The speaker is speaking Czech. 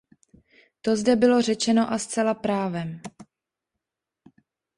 To zde bylo řečeno a zcela právem.